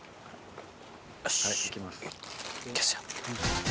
よしいきますよ。